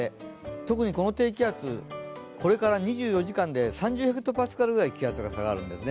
特にこの低気圧、これから２４時間で３０ｈＰａくらい気圧が下がるんですね。